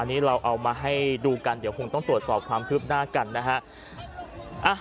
อันนี้เราเอามาให้ดูกันเดี๋ยวคงต้องตรวจสอบความคืบหน้ากันนะฮะ